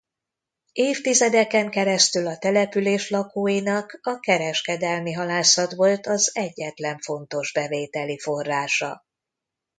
Évtizedeken keresztül a település lakóinak a kereskedelmi halászat volt az egyetlen fontos bevételi forrása.